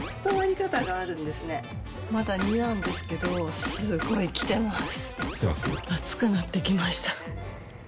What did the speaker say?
まだ２なんですけどすごいきてます。